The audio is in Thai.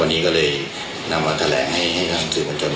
วันนี้ก็เลยนำมาแถลงให้ทางสื่อบัญชน